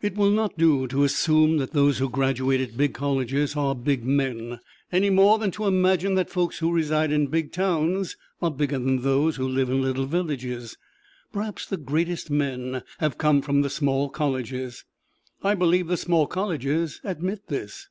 It will not do to assume that those who graduate at big colleges are big men, any more than to imagine that folks who reside in big towns are bigger than those who live in little villages. Perhaps the greatest men have come from the small colleges: I believe the small colleges admit this.